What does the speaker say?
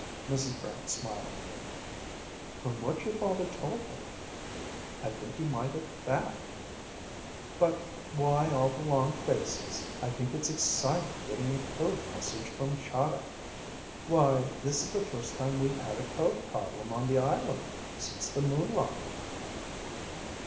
Mrs. Brant smiled. "From what your father told me, I think he might at that. But why all the long faces? I think it's exciting getting a code message from Chahda. Why, this is the first time we've had a code problem on the island since the moon rocket."